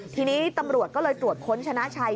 ทีนี้ตำรวจก็เลยตรวจค้นชนะชัย